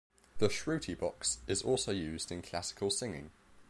The shruti box is also used in classical singing.